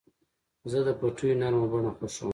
زه د پټیو نرمه بڼه خوښوم.